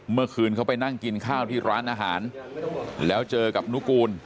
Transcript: เมื่อคืนเขาไปนั่งกินข้าวที่ร้านอาหารแล้วเจอกับนุกูล